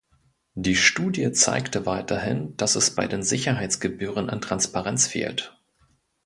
Die Studie zeigte weiterhin, dass es bei den Sicherheitsgebühren an Transparenz fehlt.